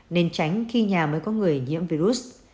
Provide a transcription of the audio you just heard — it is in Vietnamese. nên tránh khi nhà mới có người nhiễm virus